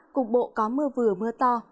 cục bộ có mưa vừa mưa to